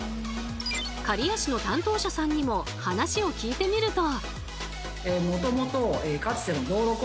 刈谷市の担当者さんにも話を聞いてみると。